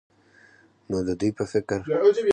نو د دوي په فکر